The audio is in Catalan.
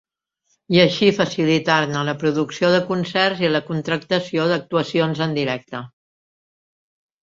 I així facilitar-ne la producció de concerts i la contractació d'actuacions en directe.